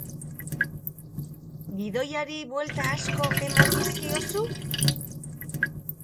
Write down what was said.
Gidoiari buelta asko eman dizkiozu?